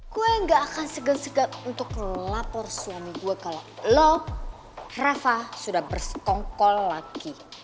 gue gak akan segan segan untuk ngelapor suami gue kalau lo rafa sudah bersekongkol lagi